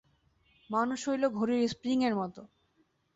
মানুষ হইল ঘড়ির স্প্রিং-এর মত।